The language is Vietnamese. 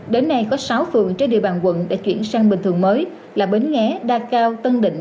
đến nay có sáu phường trên địa bàn quận đã chuyển sang bình thường mới là bến nghé đa cao tân định